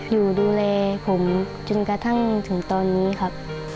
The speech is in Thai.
อยู่ดูแลผมจนกระทั่งถึงตอนนี้ครับ